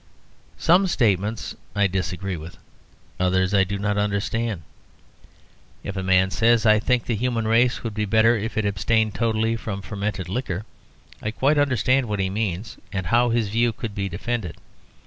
Some statements I disagree with; others I do not understand. If a man says, "I think the human race would be better if it abstained totally from fermented liquor," I quite understand what he means, and how his view could be defended.